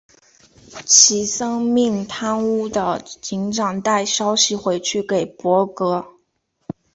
齐森命贪污的警长带消息回去给柏格。